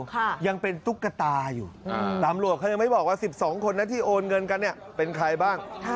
ค่ะยังเป็นตุ๊กตาอยู่ตำรวจเขายังไม่บอกว่าสิบสองคนนั้นที่โอนเงินกันเนี่ยเป็นใครบ้าง